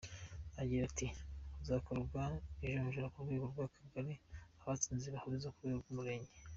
Agira ati “hakazakorwa ijonjora ku rwego rw’Akagari, abatsinze bahurizwe ku rwego rw’umurenge.